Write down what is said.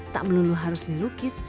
tak melulu harus melukis